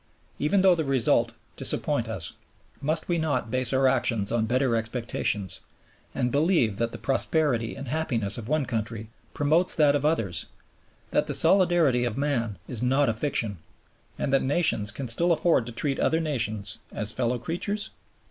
Even though the result disappoint us, must we not base our actions on better expectations, and believe that the prosperity and happiness of one country promotes that of others, that the solidarity of man is not a fiction, and that nations can still afford to treat other nations as fellow creatures?